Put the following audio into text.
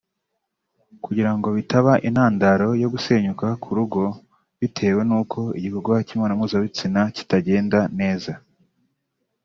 kugira ngo bitaba intandaro yo gusenyuka k’urugo bitewe n’uko igikorwa cy’imibonano mpuzabitsina kitagenda neza